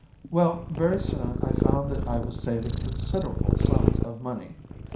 "Well, very soon I found that I was saving considerable sums of money.